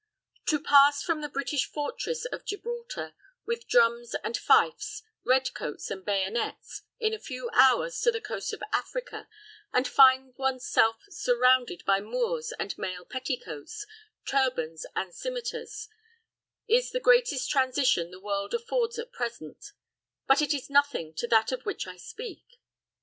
To pass from the British fortress of Gibraltar, with drums and fifes, red coats and bayonets, in a few hours, to the coast of Africa, and find one's self surrounded by Moors and male petticoats, turbans and cimeters, is the greatest transition the world affords at present; but it is nothing to that of which I speak.